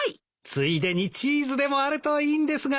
ついでにチーズでもあるといいんですがね。